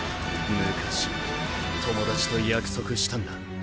昔友達と約束したんだ。